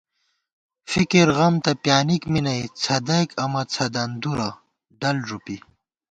فِکِرغم تہ پیانِک می نئ څھدَئیک امہ څھدَندُرہ ڈل ݫُپی